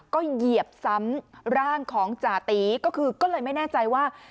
ก็เหยียบซ้ำร่างของจาตีก็คือก็เลยไม่แน่ใจว่า